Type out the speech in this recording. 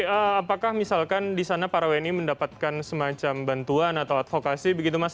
ya tapi apakah misalkan disana para wni mendapatkan semacam bantuan atau advokasi begitu mas